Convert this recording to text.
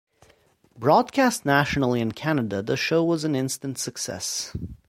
Broadcast nationally in Canada, the show was an instant success.